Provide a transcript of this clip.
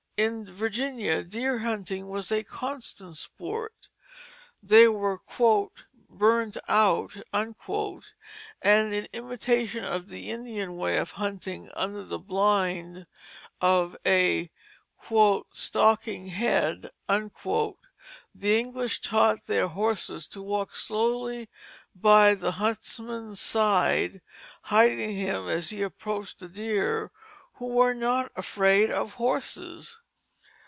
In Virginia deer hunting was a constant sport. They were "burnt out," and in imitation of the Indian way of hunting under the blind of a "stalking head," the English taught their horses to walk slowly by the huntsman's side, hiding him as he approached the deer, who were not afraid of horses.